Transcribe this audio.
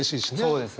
そうですね。